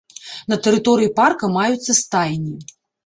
На тэрыторыі парка маюцца стайні.